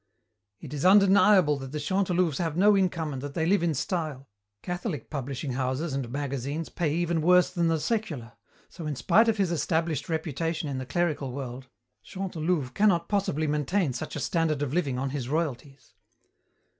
"It is undeniable that the Chantelouves have no income and that they live in style. Catholic publishing houses and magazines pay even worse than the secular, so in spite of his established reputation in the clerical world, Chantelouve cannot possibly maintain such a standard of living on his royalties.